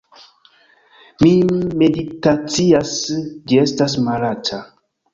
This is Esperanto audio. Mi meditacias, ĝi estas malaĉa